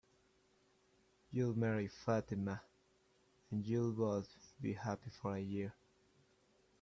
You'll marry Fatima, and you'll both be happy for a year.